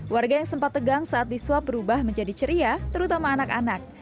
warga yang sempat tegang saat di swab berubah menjadi ceria terutama anak anak